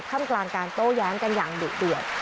ทำกลางการโต้แย้งกันอย่างดุเดือด